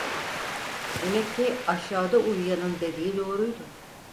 Demek ki aşağıda uyuyanın dediği doğruydu.